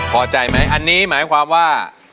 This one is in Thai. พอใจไหมอันนี้หมายความว่า